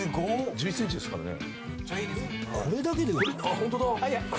１１ｃｍですからね。